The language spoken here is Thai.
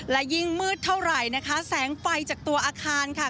และยิ่งมืดเท่าไหร่นะคะแสงไฟจากตัวอาคารค่ะ